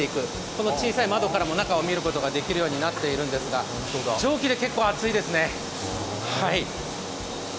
この小さい窓からも中を見ることができるようになっているんですが、蒸気で結構暑いですね。